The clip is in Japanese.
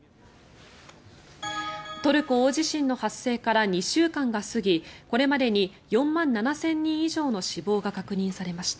トルコ大地震の発生から２週間が過ぎこれまでに４万７０００人以上の死亡が確認されました。